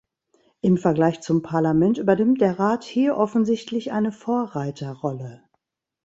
Im Vergleich zum Parlament übernimmt der Rat hier offensichtlich eine Vorreiterrolle.